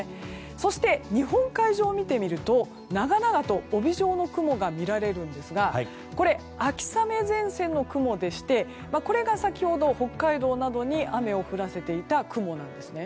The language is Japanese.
そして、日本海上を見てみると長々と帯状の雲が見られるんですがこれ、秋雨前線の雲でしてこれが先ほど、北海道などに雨を降らせていた雲なんですね。